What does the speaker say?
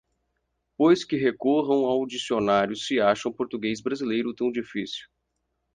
Pois que recorram ao dicionário se acham o português brasileiro tão difícil